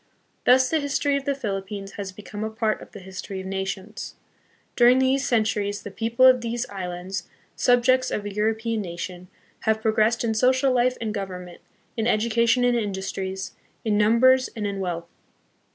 Thus the history of the Philippines has become a part of the history of nations. During these centuries the people of these islands, subjects of a Euro pean nation, have progressed in social life and govern ment, in education and industries, in numbers, and in wealth.